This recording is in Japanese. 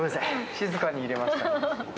静かに入れました。